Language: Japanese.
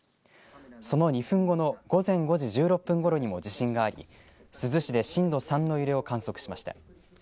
その２分後の午前５時１６分ごろにも地震があり珠洲市で震度３の揺れを観測しました。